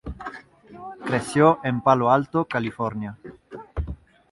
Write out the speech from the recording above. Creció en Palo Alto, California.